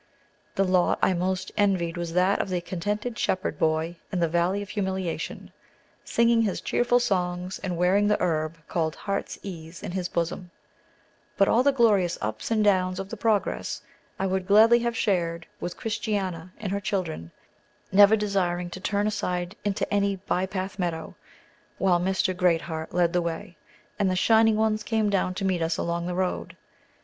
The lot I most envied was that of the contented Shepherd Boy in the Valley of Humiliation, singing his cheerful songs, and wearing "the herb called Heart's Ease in his bosom"; but all the glorious ups and downs of the "Progress" I would gladly have shared with Christiana and her children, never desiring to turn aside into any "By Path Meadow" while Mr. Great Heart led the way, and the Shining Ones came down to meet us along the road.